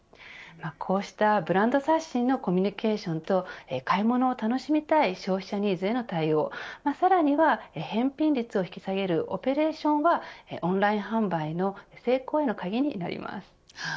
こうしたブランド刷新のコミュニケーションと買い物を楽しみたい消費者ニーズへの対応さらには返品率を引き下げるオペレーションはオンライン販売の成功への鍵になります。